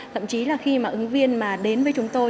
thậm chí là khi mà ứng viên mà đến với chúng tôi